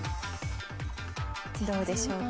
「どうでしょうか？」